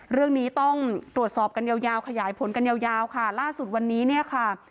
เรื่องนี้ต้องตรวจสอบกันยาวยาวขยายผลกันยาวค่ะล่าสุดวันนี้เนี่ยค่ะ